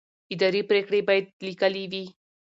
اداري پرېکړې باید لیکلې وي.